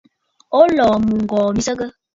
O lɔ̀ɔ̀ mɨŋgɔ̀ɔ̀ mi nsəgə?